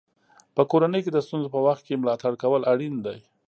په کورنۍ کې د ستونزو په وخت کې ملاتړ کول اړین دي.